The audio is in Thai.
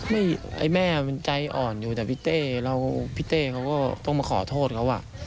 ไอ้แม่มันใจอ่อนอยู่แต่พี่เต้เราพี่เต้เขาก็ต้องมาขอโทษเขาอ่ะ